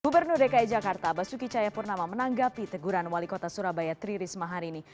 gubernur dki jakarta basuki cayapurnama menanggapi teguran wali kota surabaya tri risma hari ini